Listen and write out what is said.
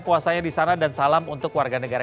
puasanya di sana dan salam untuk warga negara